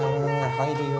入るよ。